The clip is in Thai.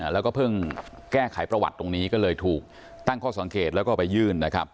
แล้วก็เพิ่งแก้ไขประวัติตรงนี้ก็เลยถูกตั้งข้อสังเกตแล้วก็ไปยื่นนะครับ